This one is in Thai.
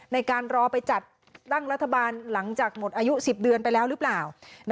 ในการรอไปจัดตั้งรัฐบาลหลังจากหมดอายุ๑๐เดือนไปแล้วหรือเปล่า